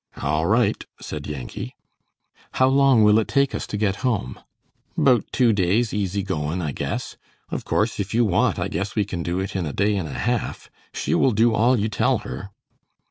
"All right," said Yankee. "How long will it take us to get home?" "'Bout two days easy goin,' I guess. Of course if you want, I guess we can do it in a day and a half. She will do all you tell her."